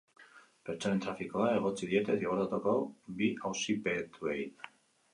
Pertsonen trafikoa egotzi diete zigortutako bi auzipetuei.